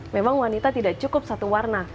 memang wanita tidak cukup satu warna